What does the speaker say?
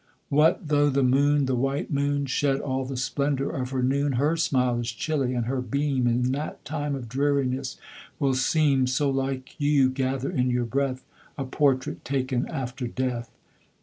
What tho' the moon the white moon Shed all the splendour of her noon, Her smile is chilly, and her beam, In that time of dreariness, will seem (So like you gather in your breath) A portrait taken after death.